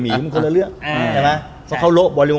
ทีมงานเก่าออกหมดเลย